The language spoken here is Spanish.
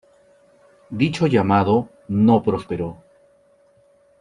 Dicho llamado no prosperó.